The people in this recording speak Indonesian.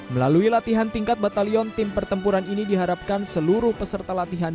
melalui latihan tingkat batalion tim pertempuran ini diharapkan seluruh peserta latihan